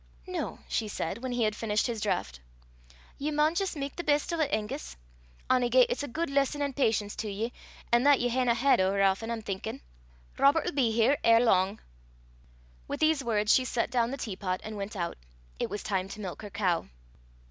"Noo," she said, when he had finished his draught, "ye maun jist mak the best o' it, Angus. Ony gait, it's a guid lesson in patience to ye, an' that ye haena had ower aften, I'm thinkin' Robert'll be here er lang." With these words she set down the teapot, and went out: it was time to milk her cow.